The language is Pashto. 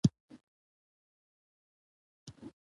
د مېلو له لاري ځيني خلک خپلو تولیداتو ته بازار پیدا کوي.